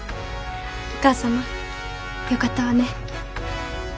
お母様よかったわね。